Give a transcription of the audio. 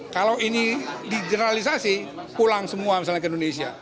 kalau ini dijeralisasi pulang semua misalnya ke indonesia